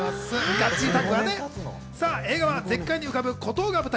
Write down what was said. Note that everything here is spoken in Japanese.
映画は絶海に浮かぶ孤島が舞台。